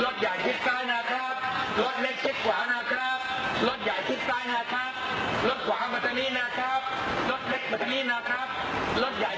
พี่น้องจำได้ไม่ใช่เสียงใคร